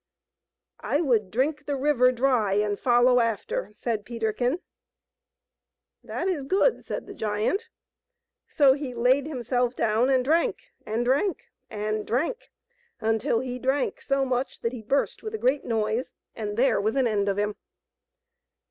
" I would drink the river dry and follow after," said Peterkin. " That is good,'* said the giant. So he laid himself down and drank and drank and drank, until he drank so much that he burst with a great noise, and there was an end of him